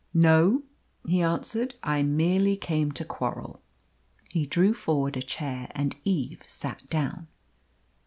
"No," he answered; "I merely came to quarrel." He drew forward a chair, and Eve sat down.